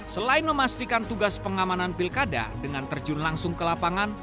selain memastikan tugas pengamanan pilkada dengan terjun langsung ke lapangan